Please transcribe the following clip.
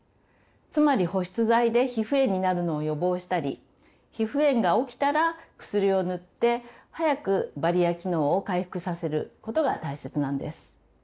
つまり保湿剤で皮膚炎になるのを予防したり皮膚炎が起きたら薬を塗って早くバリア機能を回復させることが大切なんです。